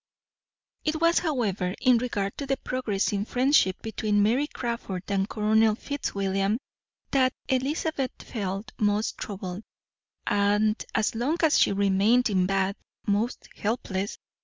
It was, however, in regard to the progressing friendship between Mary Crawford and Colonel Fitzwilliam that Elizabeth felt most troubled, and as long as she remained in Bath, most helpless.